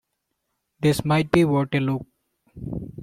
This might be worth a look.